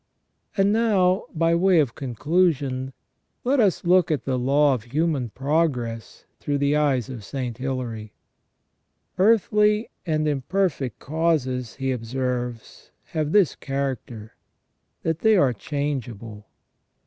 And now, by way of conclusion, let us look at the law of human progress through the eyes of St. Hilary. Earthly and imperfect causes, he observes, have this character, that they are changeable.